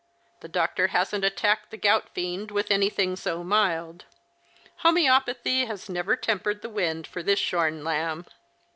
The doctor hasn't attacked the gout tiend with anything so mild. Homoeopathy has never tempered the wind for this shorn lamb."